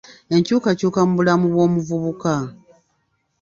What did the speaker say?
Enkyukakyuka mu bulamu bw'omuvubuka .